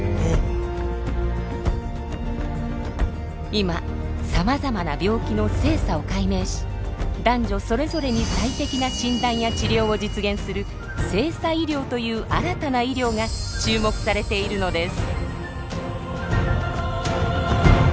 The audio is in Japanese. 今さまざまな病気の性差を解明し男女それぞれに最適な診断や治療を実現する性差医療という新たな医療が注目されているのです。